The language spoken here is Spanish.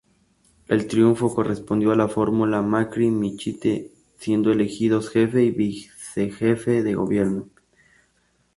El triunfo correspondió a la fórmula Macri-Michetti, siendo elegidos Jefe y Vicejefe de Gobierno.